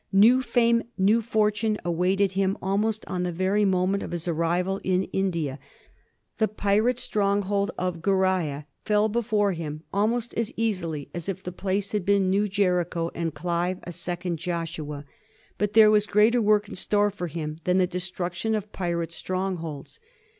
New fame, new fortune, awaited him almost on the very moment of his arrival in India. The pirate stronghold of Gheriah fell before him almost as easily as if the place had been a new Jericho and Olive a second Joshua. But there was greater work in store for him than the destruction of pirate strongholds.